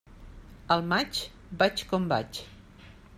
Al maig, vaig com vaig.